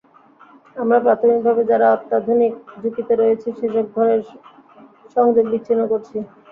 আমরা প্রাথমিকভাবে যারা অত্যধিক ঝুঁকিতে রয়েছে সেসব ঘরের সংযোগ বিচ্ছিন্ন করছি।